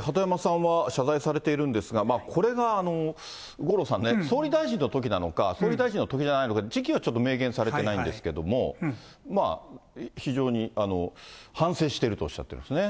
鳩山さんは謝罪されているんですが、これが五郎さんね、総理大臣のときなのか、総理大臣のときじゃないのか、時期をちょっと明言されてないんですけれども、まあ、非常に反省しているとおっしゃってますね。